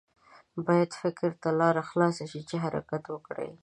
باید فکر ته لاره خلاصه شي چې حرکت وکړي.